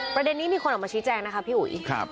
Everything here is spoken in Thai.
ประเด็นนี้มีคนออกมาชี้แจงนะคะพี่อุ๋ย